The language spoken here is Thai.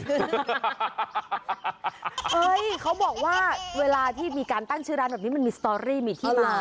เขาบอกว่าเวลาที่มีการตั้งชื่อร้านแบบนี้มันมีสตอรี่มีที่มา